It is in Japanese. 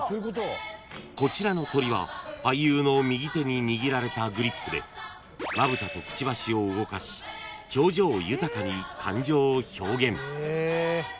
［こちらの鳥は俳優の右手に握られたグリップでまぶたとクチバシを動かし表情豊かに感情を表現］